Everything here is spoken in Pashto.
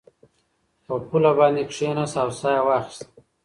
په پوله باندې کېناست او ساه یې واخیسته.